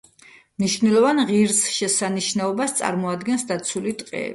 მნიშვნელოვან ღირსშესანიშნაობას წარმოადგენს დაცული ტყეები.